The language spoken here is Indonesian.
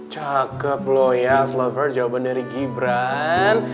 cakep loh ya ask lover jawaban dari gibran